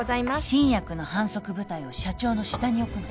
新薬の販促部隊を社長の下に置くの